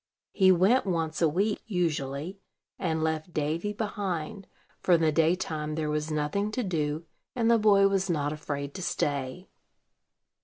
He went once a week, usually, and left Davy behind; for in the daytime there was nothing to do, and the boy was not afraid to stay.